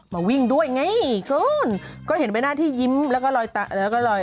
มาวิ่งด้วยไงคุณก็เห็นใบหน้าที่ยิ้มแล้วก็ลอยแล้วก็ลอย